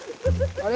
「あれ？」